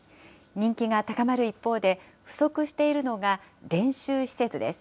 人気が高まる一方で、不足しているのが練習施設です。